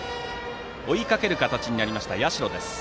追いかける形になりました、社。